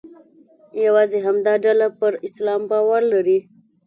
یوازې همدا ډله پر اسلام باور لري.